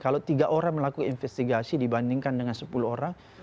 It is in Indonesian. kalau tiga orang melakukan investigasi dibandingkan dengan sepuluh orang